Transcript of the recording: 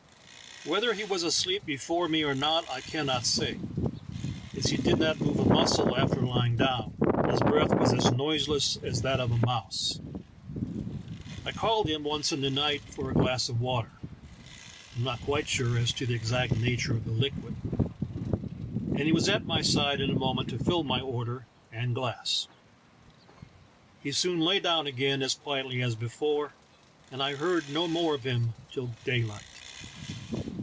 Whether he was asleep before me or not I cannot say, as he did not move a muscle after lying down, and his breath was as noiseless as that of a mouse. I called him once in the night for a glass of water (I am not quite sure as to the exact nature of the liquid) and he was at my side in a moment to fill my order — and glass. He soon lay down again as quietly as before, and I heard no more of him till daylight.